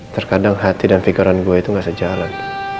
terkadang hati dan pikiran gue itu gak sejalan